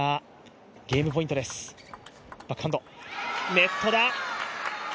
ネットだ。